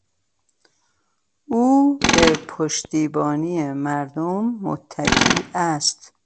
او به پشتیبانی مردم متکی است.